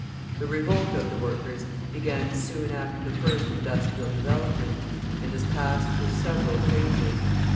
The revolt of the workers began soon after the first industrial development, and has passed through several phases.